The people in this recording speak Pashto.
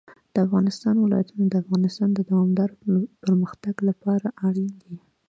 د افغانستان ولايتونه د افغانستان د دوامداره پرمختګ لپاره اړین دي.